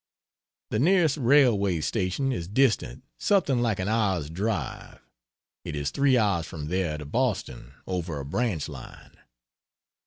The nearest railway station is distant something like an hour's drive; it is three hours from there to Boston, over a branch line.